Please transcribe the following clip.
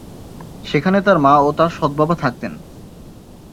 সেখানে তার মা ও তার সৎ বাবা থাকতেন।